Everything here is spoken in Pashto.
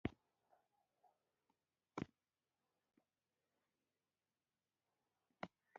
افغانستان د زمرد له پلوه متنوع دی.